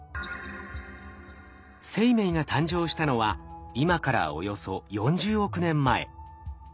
生命が誕生したのは今からおよそ４０億年前。